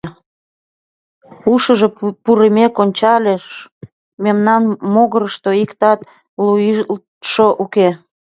Ушыжо пурымек ончалеш — мемнан могырышто иктат лӱйылтшӧ уке.